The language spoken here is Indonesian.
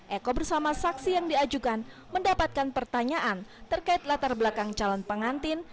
eko bersama saksi yang diajukan mendapatkan pertanyaan terkait latar belakang calon pengantin